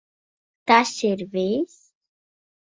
Tas ir viss?